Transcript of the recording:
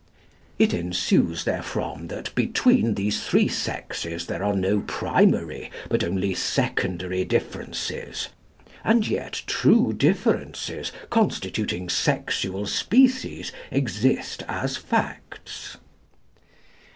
It ensues therefrom that between these three sexes there are no primary, but only secondary differences. And yet true differences, constituting sexual species, exist as facts."